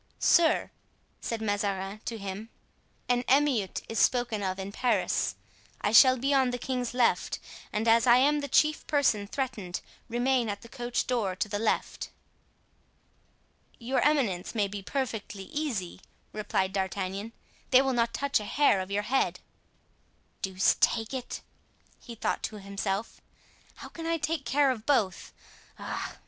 "Sir," said Mazarin to him "an emeute is spoken of in Paris. I shall be on the king's left and as I am the chief person threatened, remain at the coach door to the left." "Your eminence may be perfectly easy," replied D'Artagnan; "they will not touch a hair of your head." "Deuce take it!" he thought to himself, "how can I take care of both? Ah!